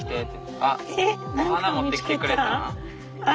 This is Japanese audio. あっお花持ってきてくれたん？